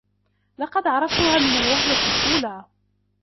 لقد عرفتها من الوهلة الأولى.